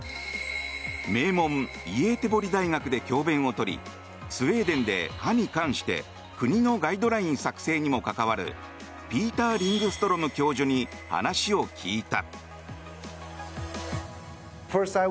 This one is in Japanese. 名門イエーテボリ大学で教べんを執りスウェーデンで歯に関して国のガイドライン作成にも関わるピーター・リングストロム教授に話を聞いた。